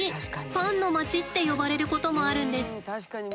「パンの街」って呼ばれることもあるんです。